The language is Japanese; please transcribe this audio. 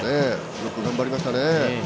よく頑張りましたね。